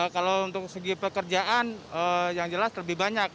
kalau untuk segi pekerjaan yang jelas lebih banyak